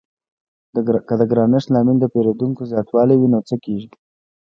که د ګرانښت لامل د پیرودونکو زیاتوالی وي نو څه کیږي؟